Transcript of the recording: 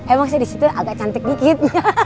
emang saya di situ agak cantik dikit